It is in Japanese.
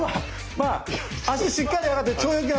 まあ脚しっかり上がってる。